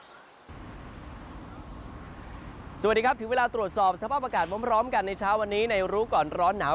สวัสดีครับถึงเวลาตรวจสอบสภาพอากาศพร้อมกันในเช้าวันนี้ในรู้ก่อนร้อนหนาว